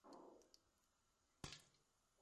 Era la rosa de color rojo brillante y amarillo 'Rumba'.